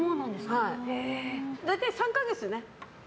大体３か月ね。